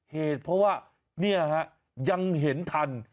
เพราะว่านี่ยังเห็นทัน